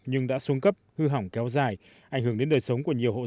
nhưng đã xuống cấp hư hỏng kéo dài ảnh hưởng đến đời sống của nhiều hộ dân